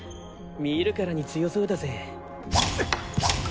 見るからに強そうだぜ。